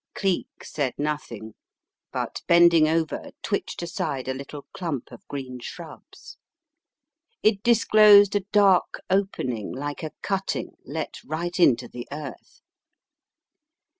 Cleek said nothing, but bending over twitched aside a little clump of green shrubs. It disclosed a dark opening like a cutting let right into the earth.